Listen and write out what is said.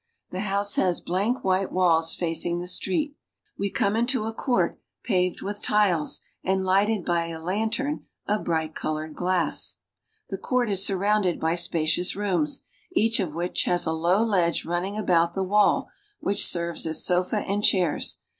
^^H The house has blank white walls facing the street. ^^V Entering, we come into a court paved with tiles and ^^^ lighted by a lantern of bright Lolored gla.ss. The court iwl.^^l s surrounded by spacioi inded by spacious rooms, each of which his a low ledge running about the wail, which ser\es as sofa and chairs.